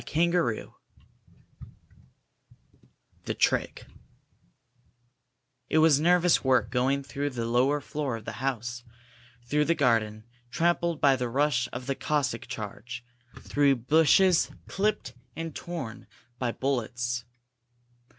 CHAPTER XII THE TRICK It was nervous work going through the lower floor of the house, through the garden, trampled by the rush of the Cossack charge, through bushes clipped and torn by bullets.